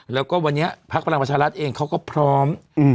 แล้วก็วันนี้พักพลังประชารัฐเองเขาก็พร้อม